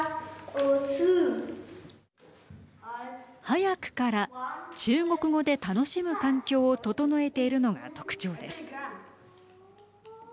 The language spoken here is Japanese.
早くから中国語で楽しむ環境を整えているのが特徴です。